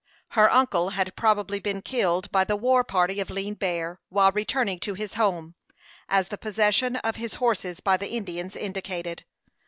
Her uncle had probably been killed by the war party of Lean Bear, while returning to his home, as the possession of his horses by the Indians indicated.